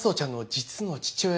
実の父親！？